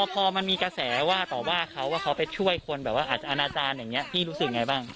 พอมันมีกระแสว่าต่อว่าเขาว่าเขาไปช่วยคนแบบว่าอาจจะอนาจารย์อย่างนี้พี่รู้สึกยังไงบ้าง